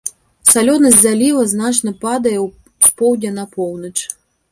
Салёнасць заліва значна падае з поўдня на поўнач.